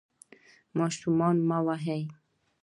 ماشومان مه وهئ.